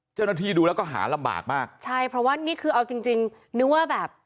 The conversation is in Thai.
เจ้าหน้าที่ดูแล้วก็หาลำบากมากใช่เพราะว่านี่คือเอาจริงจริงนึกว่าแบบ